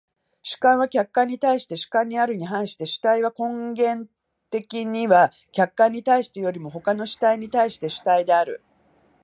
主観は客観に対して主観であるに反して、主体は根源的には客観に対してよりも他の主体に対して主体である。